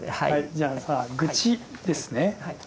じゃあ「愚痴」ですね。